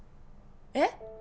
えっ？